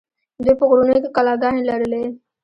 دوی په غرونو کې کلاګانې لرلې